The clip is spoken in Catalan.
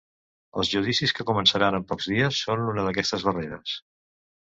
Els judicis que començaran en pocs dies, són una d’aquestes barreres.